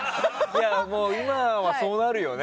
今はそうなるよね。